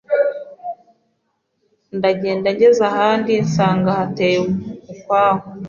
Ndagenda ngeze ahandi nsanga hateye ukwaho